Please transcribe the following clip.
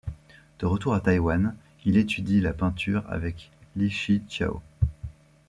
De retour à Taïwan, il étudie la peinture avec Li Shih-chiao.